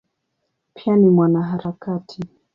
Pia ni mwanaharakati.